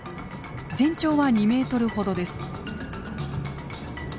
全長は２ｍほどです。